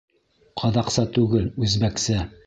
Ҡаҙаҡса түгел, үзбәксә.